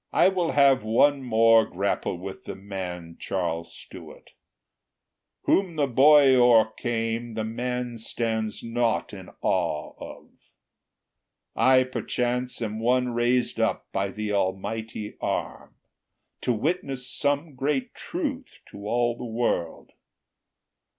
"I will have one more grapple with the man Charles Stuart: whom the boy o'ercame, The man stands not in awe of. I, perchance, Am one raised up by the Almighty arm To witness some great truth to all the world.